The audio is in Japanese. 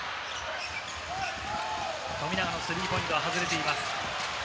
富永のスリーポイントは外れています。